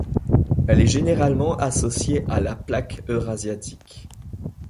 Elle est généralement associée à la plaque eurasiatique.